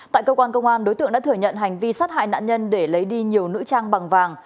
tại cơ quan công an đối tượng đã thừa nhận hành vi sát hại nạn nhân để lấy đi nhiều nữ trang bằng vàng